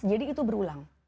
jadi itu berulang